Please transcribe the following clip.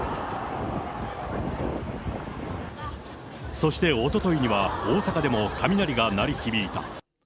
そしておとといには大阪でも雷が鳴り響いた。